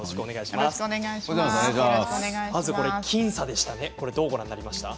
まず僅差でした。